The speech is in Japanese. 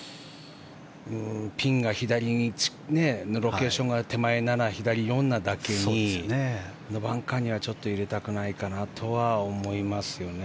ピンが左で、ロケーションが手前７、左４なだけにあのバンカーには入れたくないと思いますね。